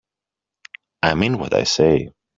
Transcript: I mean what I say.